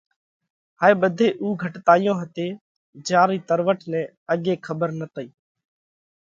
هائي ٻڌي اُو گھٽتايون هتي جيا رئي تروٽ نئہ اڳي کٻر نتئِي۔